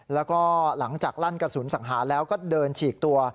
แล้วก็หลังจากลั่นกระสุนสังหารแล้วก็เดินฉีกตัว